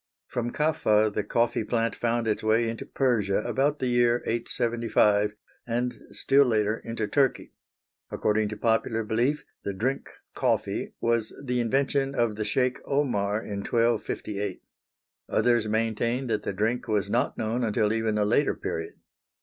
From Kaffa the coffee plant found its way into Persia about the year 875, and still later into Turkey. According to popular belief, the drink coffee was the invention of the Sheik Omar in 1258. Others maintain that the drink was not known until even a later period.